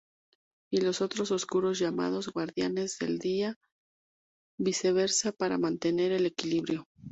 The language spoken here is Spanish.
Y los Otros Oscuros, llamados Guardianes del Día, viceversa para mantener el equilibrio.